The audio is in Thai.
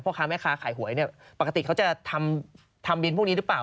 ค้าแม่ค้าขายหวยเนี่ยปกติเขาจะทำบินพวกนี้หรือเปล่า